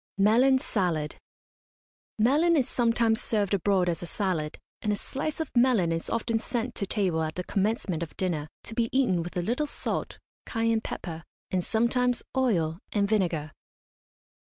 MELON SALAD. Melon is sometimes served abroad as a salad, and a slice of melon is often sent to table at the commencement of dinner, to be eaten with a little salt, cayenne pepper, and sometimes oil and vinegar.